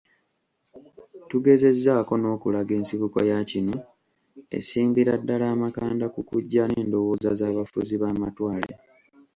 Tugezezzaako n'okulaga ensibuko ya kino. Esimbira ddala amakanda ku kujja n'endowooza z'abafuzi b'amatwale.